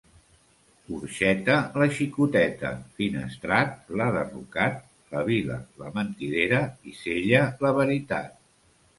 Orxeta la xicoteta, Finestrat l'ha derrocat, la Vila la mentidera i Sella la veritat.